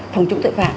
phòng chống tội phạm